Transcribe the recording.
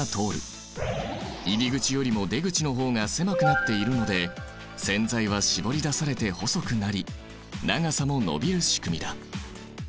入り口よりも出口の方が狭くなっているので線材は絞り出されて細くなり長さも延びる仕組みだ。